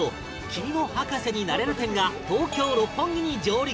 「君も博士になれる展」が東京・六本木に上陸！